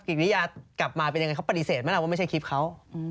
กิริยากลับมาเป็นยังไงเขาปฏิเสธไหมล่ะว่าไม่ใช่คลิปเขา